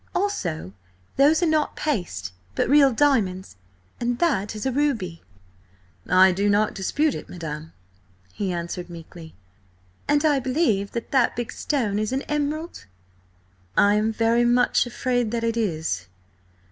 "Also, those are not paste, but real diamonds, and that is a ruby." "I do not dispute it, madam," he answered meekly. "And I believe that that big stone is an emerald." "I am very much afraid that it is."